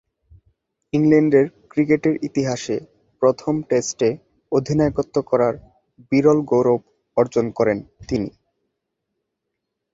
ইংল্যান্ডের ক্রিকেটের ইতিহাসে প্রথম টেস্টে অধিনায়কত্ব করার বিরল গৌরব অর্জন করেন তিনি।